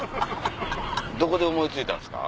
どこで思い付いたんですか？